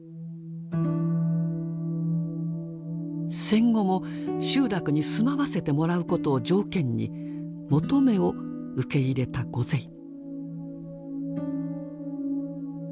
戦後も集落に住まわせてもらうことを条件に求めを受け入れたゴゼイ。